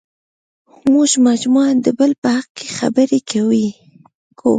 موږ مجموعاً د بل په حق کې خبرې کوو.